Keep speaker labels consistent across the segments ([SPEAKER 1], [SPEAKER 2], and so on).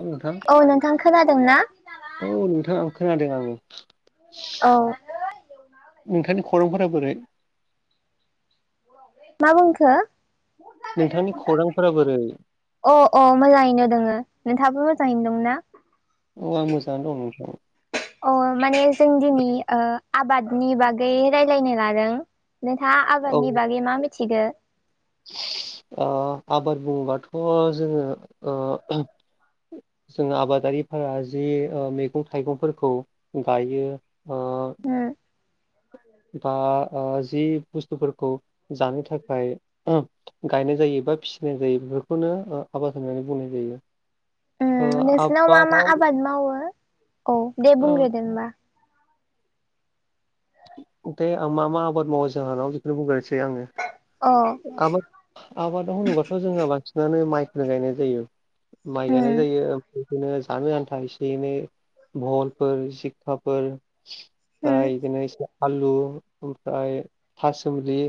[SPEAKER 1] औ नोंथां
[SPEAKER 2] औ नोंथां खोनादों ना
[SPEAKER 1] औ नोंथाङा आं खोनादों आं ओ
[SPEAKER 2] औ
[SPEAKER 1] नोंथांनि खौरांफोरा बोरै
[SPEAKER 2] मा बुंखो
[SPEAKER 1] नोंथांनि खौरांफोरा बोरै
[SPEAKER 2] अ अ मोजाङैनो दोङो नोंथाबो मोजाङैनो दङ ना
[SPEAKER 1] औ आं मोजाङानो दं नोंथां।
[SPEAKER 2] अ माने जों दिनै ओ आबादनि बागै रायलायनो लादों नोंथाङा
[SPEAKER 1] औ
[SPEAKER 2] आबादनि बागै मा मिथिगौ
[SPEAKER 1] ओ आबाद बबाथ' जोङो ओ जों आबादारिफोरा जि ओ मैगं थाइगंफोरखौ गायो ओ
[SPEAKER 2] ओम
[SPEAKER 1] बा ओ जि बुस्थुफोरखौ जानो थाखाय गायनाय जायो बा फिसिनाय जायो बेफोरखौ खौनो आबाद होननानै बुंनाय
[SPEAKER 2] उम
[SPEAKER 1] जायो
[SPEAKER 2] नोंसिनाव मा मा
[SPEAKER 1] आबादाव
[SPEAKER 2] आबाद मावो औ दे बुंग्रोदो हबा
[SPEAKER 1] दे आं मा मा आबाद मावो जोंहानाव बेखौनो बुंग्रोसै आङो
[SPEAKER 2] अ
[SPEAKER 1] आबाद आबादाव होनोबाथ' जोंङो बांसिनानो माइखौनो गायनाय जायो माइ
[SPEAKER 2] उम
[SPEAKER 1] गायनाय जायो ओम बिदिनो जानो आन्था एसे एनै भलफोर सिक्खााफोर
[SPEAKER 2] उम
[SPEAKER 1] ओमफ्राय बिदिनो एसे आलु ओमफ्राय थासुमलि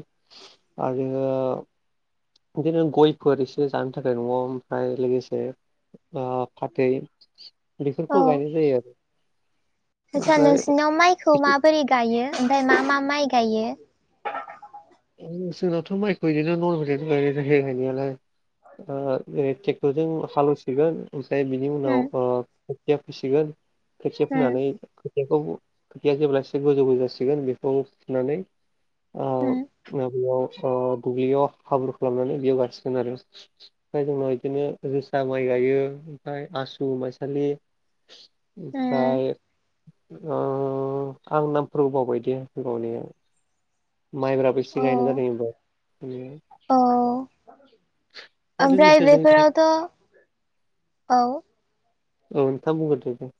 [SPEAKER 1] आ जोङो बिदिनो गयफोर एसे जानो थाखाय नङ ओमफ्राय लोगोसे फाथै बेफोरखौ गायनाय जायो आरो।
[SPEAKER 2] आतसा
[SPEAKER 1] ओमफ्राय
[SPEAKER 2] नोंसिनिनाव माइखौ माबोरै गायो ओमफ्राय मा मा माइ गायो?
[SPEAKER 1] जोंनावथ' माइखौ बिदिनो नरभेल गाय जाहायनायालाय ओ जेरै ट्रेक्टरजों हालेवसिगोन ओमफ्राय बिनि उनाव
[SPEAKER 2] उम
[SPEAKER 1] ओ खोथिया फैसिगोन खोथिया
[SPEAKER 2] उम
[SPEAKER 1] फोनानै खोयाखौ खोथिया जेब्ला एसे गोजौबो जासिगोन बेखौ फुनानै
[SPEAKER 2] उम
[SPEAKER 1] माबयाव ओ दुब्लियाव हाब्रु खालामनानै बेयाव गायसिगोन आरो। ओमफ्राय जोंनाव बिदिनो दोसा माइ गायो ओमफ्राय आसु माइसालि
[SPEAKER 2] उम
[SPEAKER 1] ओमफ्राय ओ आं नामफोरबो बावबाय दे गावनि माइब्राबो एसे
[SPEAKER 2] औ
[SPEAKER 1] गायनाय जादों एबार ओम
[SPEAKER 2] औ, ओमफ्राय
[SPEAKER 1] लोगोसे जोंनि
[SPEAKER 2] बेफोरावथ' [inaudible] औ
[SPEAKER 1] औ नोंथां बुंगोरदोदे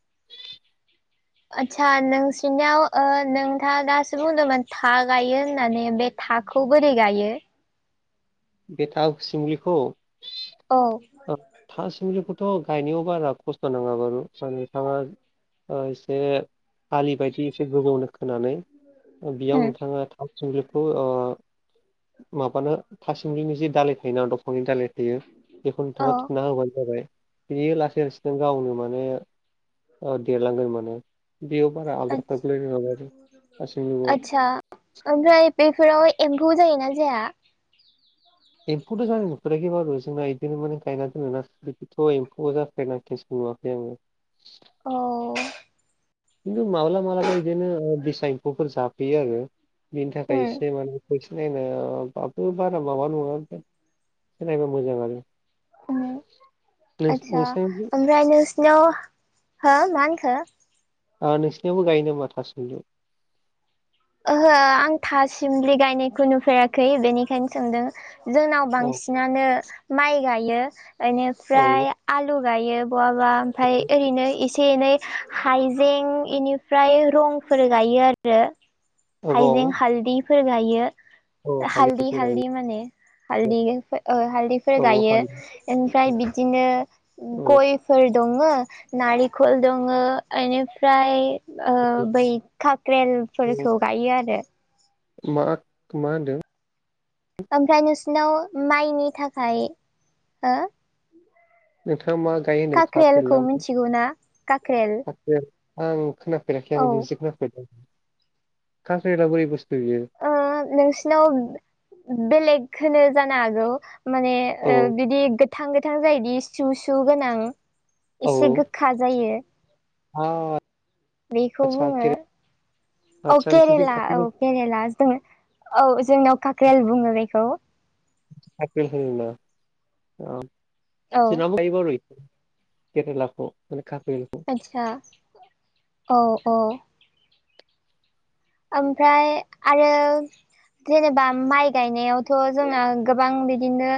[SPEAKER 2] आस्सा नोंसिोरनियाव नोंथाङा दासो बुंदोंमोन था गायो होननानै बे थाखौ बोरै गायो?
[SPEAKER 1] बेटा सिमलिखौ
[SPEAKER 2] औ
[SPEAKER 1] था सिमलिखौथ' गायनायाव बारा खस्थ' नाङा बारु स' नोंथाङा ओ एसे आलि बायदि एसे गोबावनो खोनानै ओ बेयाव
[SPEAKER 2] उम
[SPEAKER 1] नोंथाङा थाव सुमब्लिबखौ ओ माबानो था सिमलिनि जि दालाय थायोना दंफांनि दालाय थायो बेखौ
[SPEAKER 2] औ
[SPEAKER 1] नोंथाङा थुना होबानो जाबाय। बियो लासै लासैनो गावनो माने ओ देरलांगोन माने बेयाव बारा आदार खालामबलायनोङाब आरो गासैआव
[SPEAKER 2] आदसा ओमफ्राय बेफोराव एम्फौ जायोना जाया?
[SPEAKER 1] एम्फौथ' जानाय नुफेराखै बारु जोंना बिदिनो माने गायना दोनो नाथ' एम्फौआ जाखायना केन्स नुवाखै आङो।
[SPEAKER 2] औ
[SPEAKER 1] खिन्थु माब्लाबा माबलाबा बिदिनो दैसा एम्फौफोर जाफैयो आरो। बिनि थाखाय
[SPEAKER 2] उम
[SPEAKER 1] एसे माने फै नायनो बाथ' बारा माबा नङा सोलायबा मोजां आरो।
[SPEAKER 2] आस्सा
[SPEAKER 1] नोंसिनि
[SPEAKER 2] ओमफ्राय नोंसिनाव, हो मा होनखो?
[SPEAKER 1] ओ नोंसिनिनाबो गायनो नाम मा थासमलि?
[SPEAKER 2] ओहो आं था सिमलि गायनायखौ नुफेराखै बेनिखायनो सोंदों जोंनाव बां
[SPEAKER 1] औ
[SPEAKER 2] सिनानो माइ गायो
[SPEAKER 1] औ
[SPEAKER 2] बेनिफ्राय आलु गायो। बहाबा ओमफ्राय ओरैनो ए एसे एनै हाइजें बेनिफ्राय रंफोर गायो आरो।
[SPEAKER 1] रं
[SPEAKER 2] हाइजें हालददिफोर गायो
[SPEAKER 1] औ
[SPEAKER 2] हालददि
[SPEAKER 1] हालिफोर गायो
[SPEAKER 2] हालददि माने हालदै ओ हालदैफोर
[SPEAKER 1] औ
[SPEAKER 2] गायो
[SPEAKER 1] हालि
[SPEAKER 2] ओमफ्राय बिदिनो
[SPEAKER 1] औ
[SPEAKER 2] गय फोर दङो नारिखल दङो इनिफ्राय ओ बै काक्रेलफोरखौ गायो आरो
[SPEAKER 1] मा मा होनदों
[SPEAKER 2] ओमफ्राय नोंसिनाव माइनि थाखाय हो
[SPEAKER 1] नोंथाङा मा गायो होनदों खाख्रेला
[SPEAKER 2] काक्रेलखौ मिथिगौ ना काक्रेल
[SPEAKER 1] आं खोनाफेराखै
[SPEAKER 2] औ
[SPEAKER 1] आं दिनिसो खोनाफेरदों खांख्रेललआ बोरै बुस्थु बियो?
[SPEAKER 2] ओ नोंसिनाव बे-बेलेग होनो जानो हागौ माने
[SPEAKER 1] औ
[SPEAKER 2] ओ बिदि गोथां गोथां जायोदि सु सु गोनां एसे गोखा जायो।
[SPEAKER 1] औ
[SPEAKER 2] बेखौ
[SPEAKER 1] आदसा
[SPEAKER 2] बुङो।
[SPEAKER 1] खेरे-
[SPEAKER 2] औ
[SPEAKER 1] आदसा नोंसिनिथिं
[SPEAKER 2] केरेला
[SPEAKER 1] खाख्रेल
[SPEAKER 2] औ केरेला जों औ जोंनाव काक्रेल बुङो बेखौ।
[SPEAKER 1] [unintelligible] ओ
[SPEAKER 2] औ
[SPEAKER 1] जोंना बो थाइयो बारु केरेलाखौ माने काख्रेलखौ
[SPEAKER 2] आदसा औ औ ओमफ्राय आरो जेनेबा माइ गायनायावथ' जोंना गोबां बिदिनो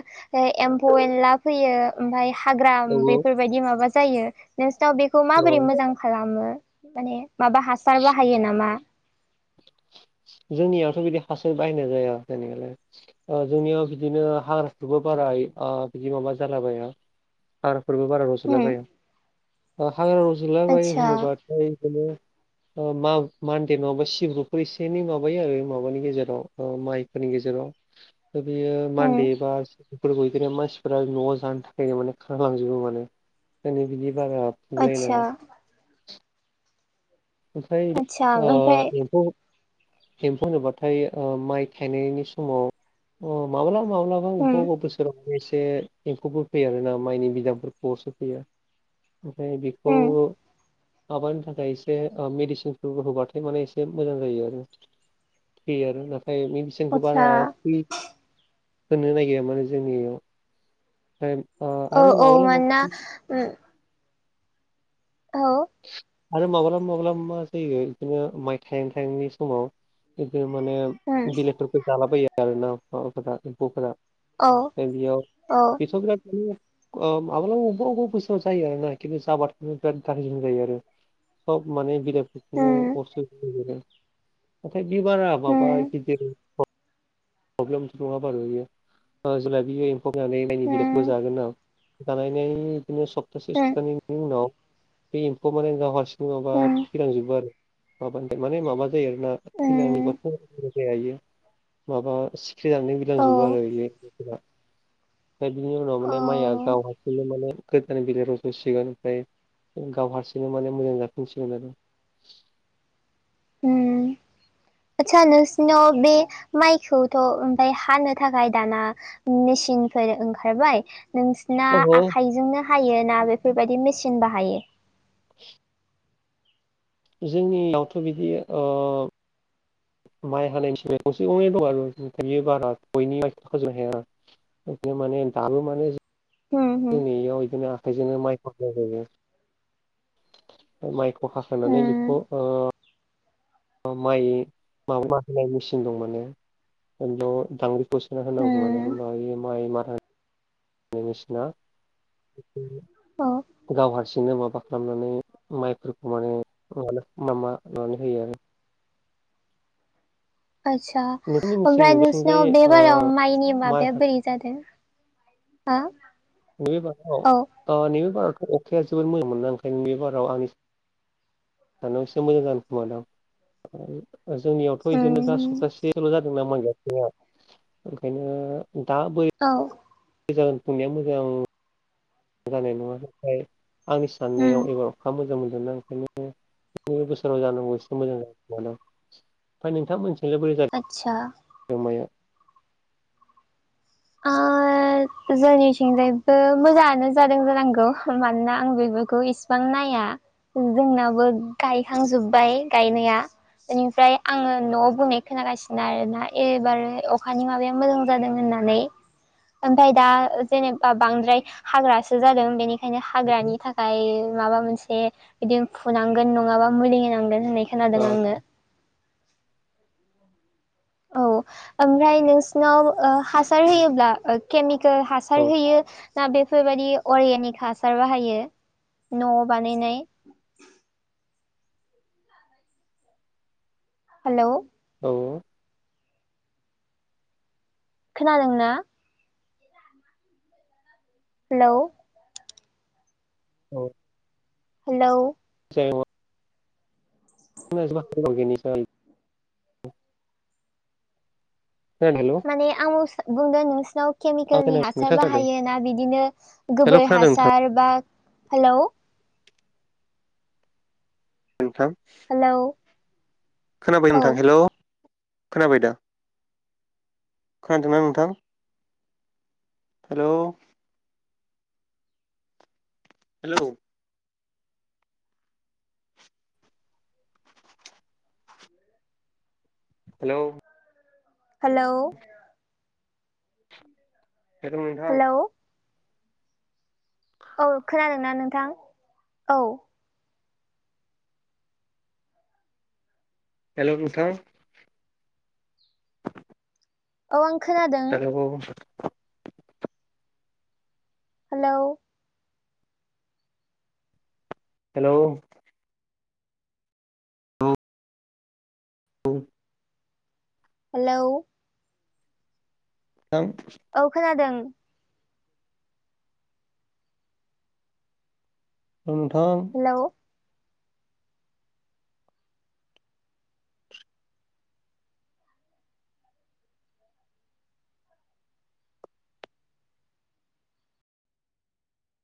[SPEAKER 2] एम्फौ एनला फैयो ओमफ्राय हाग्रा
[SPEAKER 1] औ
[SPEAKER 2] बेफोरबायदि माबा जायो नोंसोरनाव बेखौ
[SPEAKER 1] औ
[SPEAKER 2] माबोरै मोजां खालामो माने माबा हासार बाहायो नामा?
[SPEAKER 1] जोंनियावथ' बिदि हासार बाहायनाय जाया जेनेबालाय जोंनियाव बिदिनो हाग्राफोरबो बारा ओ बिदि माबा जालाबाया हाग्राफोरबो बारा
[SPEAKER 2] उम
[SPEAKER 1] रज'लाबाया हाग्रा रज'ला बायो
[SPEAKER 2] आतसा
[SPEAKER 1] होनोब्ला ओमफ्राय बिदिनो मा मानदे नङाबा सिब्रुफोर एसे एनै माबायो आरो माबानि गेजेराव माइफोरनि गेजेराव बेयो
[SPEAKER 2] उम
[SPEAKER 1] मान्दे बा बेफोर मानसिफ्रा न'आव जानो थाखायनो माने खारलांजोबो मानो दनो बिदि बारा
[SPEAKER 2] आतसा
[SPEAKER 1] फुलायनाङा ओमफ्राय
[SPEAKER 2] आतसा
[SPEAKER 1] ओ
[SPEAKER 2] ओमफ्राय
[SPEAKER 1] एम्फौ हेम्फौ होनोब्लाथाय ओ माइ थायनायनि समाव अ माब्ला माब्लाबा
[SPEAKER 2] उम
[SPEAKER 1] बावबावदोंसोराव। एसे एम्फौफोर फैयो आरो ना माइनि बिदांफोरखौ अरसो फैयो ओमफ्राय बेखौ
[SPEAKER 2] उम
[SPEAKER 1] माबानो थाखाय बे ओ मेडिसिनफोर होबाथाय माने एसे मोजां जायो आरो थैयो आरो नाथाय मिन जोंखौ
[SPEAKER 2] आतसा
[SPEAKER 1] बारा होनो नागिरामानो जोंनियाव ओमफ्राय ओ
[SPEAKER 2] औ
[SPEAKER 1] आरो
[SPEAKER 2] औ
[SPEAKER 1] माब्लाबा
[SPEAKER 2] मानोना
[SPEAKER 1] माब्लाबा
[SPEAKER 2] उम औ
[SPEAKER 1] आरो माब्लाबा माब्लाब मा जायो बिदिनो माइ थायां थायांनि समाव बिदि माने
[SPEAKER 2] उम
[SPEAKER 1] बिलेफोरखौ जालाबायो आरो ना माबाफोरा एम्फौफोरा
[SPEAKER 2] औ
[SPEAKER 1] दा बियाव
[SPEAKER 2] औ
[SPEAKER 1] बिथ' बिराद ओ माब्लाबा अबेबा अबेबा बोसोरआव जायो आरोना खिन्थु जाबाथाय बिराद दाम जायो आरो सब माने बिदायफोरखौनो
[SPEAKER 2] उम
[SPEAKER 1] अरस होजोबो नाथाय बिबारा माबा
[SPEAKER 2] उम
[SPEAKER 1] गिदिर प्रब्लेमथ' नङा बारु इयो जेब्ला बियो एम्फौ जानानै माइनि बिदांखौ
[SPEAKER 2] उम
[SPEAKER 1] जागोन ना जानायनाय बिदिनो सप्तासे
[SPEAKER 2] उम
[SPEAKER 1] सप्तानैनि उनाव बे एम्फौआव माने गाव हारसिं माबा
[SPEAKER 2] उम
[SPEAKER 1] थैलांजोबो आरो माबानि माने माबा जायो आरोना
[SPEAKER 2] उम
[SPEAKER 1] थैलांनिबाथ' जाया इयो माबा सिकरि जानानै
[SPEAKER 2] औ
[SPEAKER 1] बिरलांजोबो आरो बे एम्फौफोरा ओमफ्राय बिनि उनाव
[SPEAKER 2] औ
[SPEAKER 1] माने माइया गाव हारसिंनो माने गोदान बिलाइ रज'सिगोन ओमफ्राय गाव हारसिंनो माने मोजां जाफिनसिगोन आरो
[SPEAKER 2] उम आदसा नोंसिनाव बे माइखौथ' ओमफफ्राय हानो थाखाय दाना मेसिनफोर ओंखारबाय नों ना
[SPEAKER 1] अ
[SPEAKER 2] आखाइजोंनो हायो ना बेफोरबायदि मेसिन बाहायो।
[SPEAKER 1] औ जोंनियावथ' बिदि ओ माइ हानायनि स गंसे गंनै दं आरो फ्राय बियो बारा बयनिब थाखाजों हाया आरो बिनो माने दाल माने
[SPEAKER 2] उम उम
[SPEAKER 1] जोंनि इयाव बिदिनो आखाइजोंनो माइ खौ हानाय जियो माइख फाखांनिनै
[SPEAKER 2] उम
[SPEAKER 1] बेखौ ओ माइ माब मा होनाय मेसिन दं माने द दांग्रिखौसोना होनांगौ माने
[SPEAKER 2] उम
[SPEAKER 1] हबा मइ मारा नमस ना
[SPEAKER 2] अ
[SPEAKER 1] गाव हारसिंनो माबा खालामनानै माइफोरखौ माने म मा मा मानानै होयो आरो
[SPEAKER 2] आतसा
[SPEAKER 1] नोंथांमोननिथिं
[SPEAKER 2] ओमफ्राय
[SPEAKER 1] नोंसोरनिथिंजाय
[SPEAKER 2] नोंसिनाव बे
[SPEAKER 1] ओ
[SPEAKER 2] बारायाव माइनि
[SPEAKER 1] माइ
[SPEAKER 2] माबाया बोरै जादों हो
[SPEAKER 1] नैबे
[SPEAKER 2] औ
[SPEAKER 1] बाराव नैबे बारावथ' अखाया जोबोद मोजां मोना ओंखायनो नैबे बाराव आंनि दानाव एसे मोजां जानो खोमा दं जोंनियावथ' बिदिनो दा
[SPEAKER 2] उम
[SPEAKER 1] सप्तासे ल' जादों न मया ओंखायनो दा बोरै
[SPEAKER 2] औ
[SPEAKER 1] जागोन फुंनाया मोजां जानाय नङा नाथाय आंनि
[SPEAKER 2] उम
[SPEAKER 1] साननायाव एबार अखा मोजां मोनदोंना ओंखायनो नबे बोसोराव जानांगौ एसे मोजां जाग दं ओमफ्राय नोंथां मोनसेल' बोरै जादों।
[SPEAKER 2] आतसा
[SPEAKER 1] जमाया
[SPEAKER 2] आ जोंनिथिंजायबो मोजाङानो जादों जानांगौ मानोना आं बेफोरखौ इसिबां नाया जोंनाबो गायखांजोब्बाय गायनाया बेनिफ्राय आङो न'आव बुंनाय खोनागासिनो आरोना एबार अखानि माबाया मोजां जादों होननानै ओमफफ्राय दा जेनेबा बांद्राय हाग्रासो जादों बेनि बेओखायनो हाग्रानि थाखाय माबा मोनसे बिदिनो फुनांगोन नङाबा मुलि होनांगोन होननाय
[SPEAKER 1] औ
[SPEAKER 2] खोनादों आंनो औ ओमफ्राय नोंसिनाव ओ हासार होयोब्ला केमिकेल हासार होयो ना बेफोरबायदि अरगेनिक हासार बाहायो न' बानायनाय हेलौ
[SPEAKER 1] औ
[SPEAKER 2] खोनादों ना हेलौ
[SPEAKER 1] औ
[SPEAKER 2] हेलौ
[SPEAKER 1] [unintelligible] [inaudible] हेल'
[SPEAKER 2] [unintelligible] बुंदों नोंसिनाव
[SPEAKER 1] आं
[SPEAKER 2] केमिकेलनि
[SPEAKER 1] खोनागासिनो नोंथां
[SPEAKER 2] हासार
[SPEAKER 1] खोनादों
[SPEAKER 2] बाहायो ना बिदिनो
[SPEAKER 1] हेल'
[SPEAKER 2] गोबोर
[SPEAKER 1] खोनादों नोंथां
[SPEAKER 2] हासार बा हेलौ
[SPEAKER 1] नोंथां
[SPEAKER 2] हेलौ
[SPEAKER 1] खोनाबाय
[SPEAKER 2] औ
[SPEAKER 1] नोंथां हेल' खोनाबाय दा खोनादोंना नोंथां हेल' हेल' हेल'
[SPEAKER 2] हेलौ
[SPEAKER 1] दों नोंथां
[SPEAKER 2] हेलौ औ खोनादोंना नोंथां औ
[SPEAKER 1] हेल' नोंथां
[SPEAKER 2] अ आं खोनादों
[SPEAKER 1] [inaudible]
[SPEAKER 2] हेलौ
[SPEAKER 1] हेल' औ
[SPEAKER 2] हेलौ
[SPEAKER 1] दां
[SPEAKER 2] औ खोनादों
[SPEAKER 1] नोंथां
[SPEAKER 2] हेल'